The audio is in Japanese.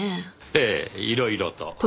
ええいろいろと。